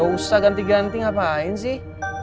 gak usah ganti ganti ngapain sih